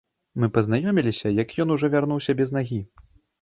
Мы пазнаёміліся, як ён ужо вярнуўся без нагі.